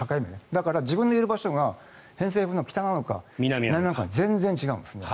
だから自分のいる場所が偏西風の北なのか南なのかで全然違うんですね。